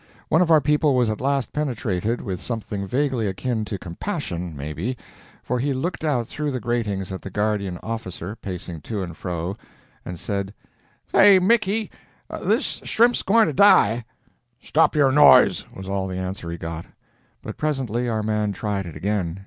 One of our people was at last penetrated with something vaguely akin to compassion, may be, for he looked out through the gratings at the guardian officer, pacing to and fro, and said: "Say, Mickey, this shrimp's goin' to die." "Stop your noise!" was all the answer he got. But presently our man tried it again.